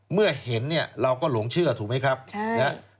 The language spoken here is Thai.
เมื่อเห็นเนี่ยเราก็หลงเชื่อถูกไหมครับ